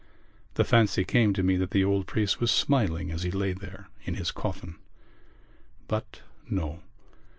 The fancy came to me that the old priest was smiling as he lay there in his coffin. But no.